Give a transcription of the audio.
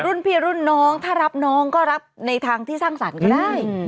รุ่นพี่รุ่นน้องถ้ารับน้องก็รับในทางที่สร้างสรรค์ก็ได้